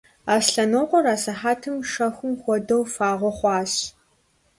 Аслъэнокъуэр асыхьэтым шэхум хуэдэу фагъуэ хъуащ.